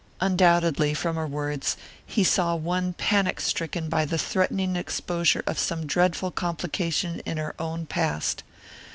Undoubtedly, from her words, he saw one panic stricken by the threatened exposure of some dreadful complication in her own past.